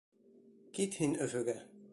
Кит һин Өфөгә.